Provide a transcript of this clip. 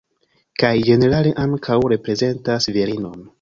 Kaj ĝenerale ankaŭ reprezentas virinon.